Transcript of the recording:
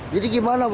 jadi gimana bu